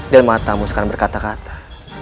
dan matamu sekarang berkata kata